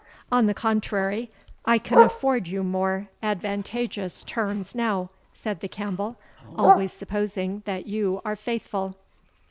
"On the contrary, I can afford you more advantageous terms now," said the Campbell; "always supposing that you are faithful."